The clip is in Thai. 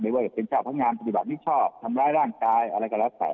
ว่าจะเป็นเจ้าพนักงานปฏิบัติมิชอบทำร้ายร่างกายอะไรก็แล้วแต่